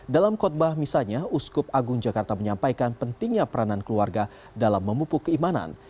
dalam khutbah misalnya uskup agung jakarta menyampaikan pentingnya peranan keluarga dalam memupuk keimanan